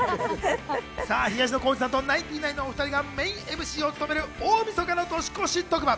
東野幸治さんとナインティナインの２人がメインＭＣを務める大みそかの年越し特番